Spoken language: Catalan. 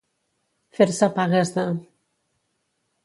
Fer-se pagues de.